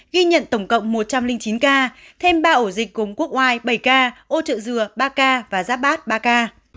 ghi nhận tổng cộng một trăm linh chín ca thêm ba ổ dịch gồm quốc ngoài bảy ca ô trợ dừa ba ca và giáp bát ba ca